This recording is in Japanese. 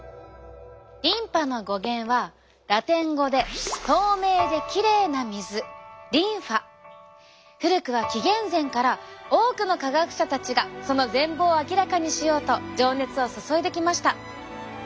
リンパの語源はラテン語で古くは紀元前から多くの科学者たちがその全貌を明らかにしようと情熱を注いできました。